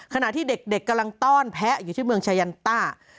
ขณะที่เด็กกำลังต้อนแพ้อยู่ที่เมืองชายันต้า